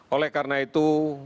oleh karena itu